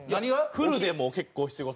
フルでもう結構七五三とか。